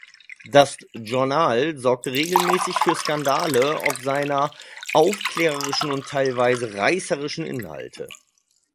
Das Journal sorgte regelmäßig für Skandale ob seiner aufklärerischen und teilweise reißerischen Inhalte.